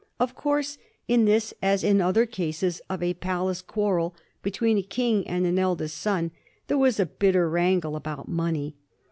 Of course, in this as in other cases of a palace quarrel between a king and an eldest son, there was a bit ter wrangle about money.